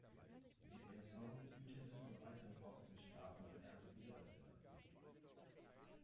In Elmshorn, Uetersen und weiteren Orten sind Straßen nach ernst Behrens benannt.